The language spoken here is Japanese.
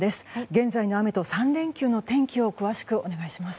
現在の雨と３連休の天気を詳しくお願いします。